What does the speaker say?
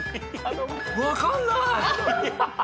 分かんない。